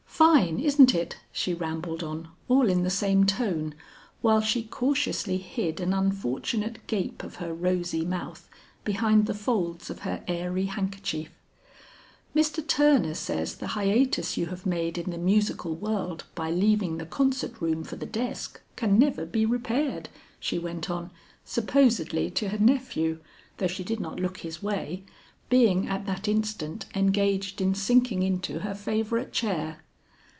Fine, isn't it?" she rambled on all in the same tone while she cautiously hid an unfortunate gape of her rosy mouth behind the folds of her airy handkerchief. "Mr. Turner says the hiatus you have made in the musical world by leaving the concert room for the desk, can never be repaired," she went on, supposedly to her nephew though she did not look his way, being at that instant engaged in sinking into her favorite chair.